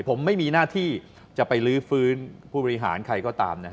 ผมไม่มีหน้าที่จะไปลื้อฟื้นผู้บริหารใครก็ตาม